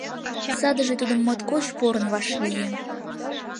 Садыже тудым моткоч порын вашлие.